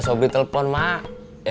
saya denger met